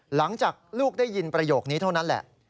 หลังจากลูกได้ยินประโยคนี้เท่านั้นแหละ